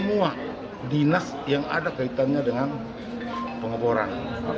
semua dinas yang ada kaitannya dengan pengeboran